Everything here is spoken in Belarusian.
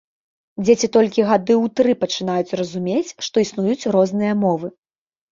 Дзеці толькі гады ў тры пачынаюць разумець, што існуюць розныя мовы.